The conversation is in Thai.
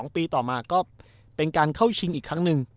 ๒ปีต่อมาก็เป็นการเข้าชิงอีกครั้งหนึ่ง